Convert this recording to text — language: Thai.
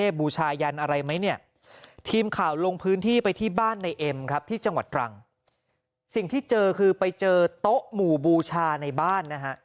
สิ่งที่เจอคือไปเจอโต๊ะหมู่บูชาในบ้านนะฮะ